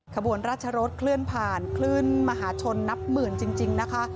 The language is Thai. ขบวนราชรสเคลื่อนผ่านคลื่นมหาชนนับหมื่นจริงนะคะ